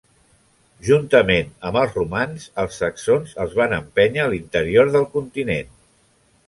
Juntament amb els romans, els saxons els van empènyer a l'interior del continent.